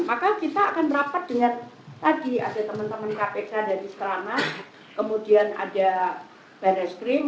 maka kita akan rapat dengan tadi ada teman teman kpk dari sekeramah kemudian ada barreskrim